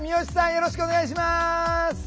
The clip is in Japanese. よろしくお願いします。